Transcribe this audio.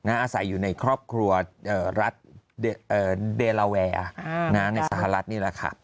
อาศัยอยู่ในครอบครัวรัฐเดลาแวร์ในสหรัฐนี่แหละค่ะ